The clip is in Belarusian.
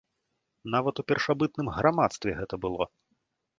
Нават у першабытным грамадстве гэта было!